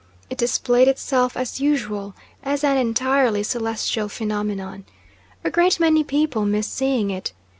It displayed itself, as usual, as an entirely celestial phenomenon. A great many people miss seeing it.